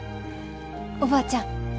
おばあちゃん。